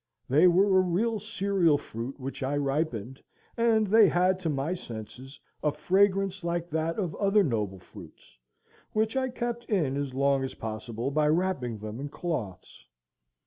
They were a real cereal fruit which I ripened, and they had to my senses a fragrance like that of other noble fruits, which I kept in as long as possible by wrapping them in cloths.